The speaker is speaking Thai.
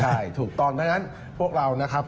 ใช่ถูกต้อนดังนั้นพวกเรานะครับ